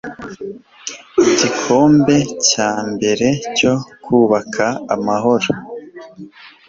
igikombe cya mbere cyo kubaka amahoro